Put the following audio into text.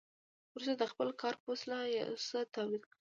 وروسته د خپل کار په وسیله یو څه تولید کړي